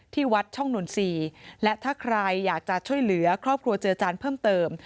ที่วัดช่องนนทรีย์และถ้าใครอยากจะช่วยเหลือครอบครัวเจออาจารย์เพิ่มเติม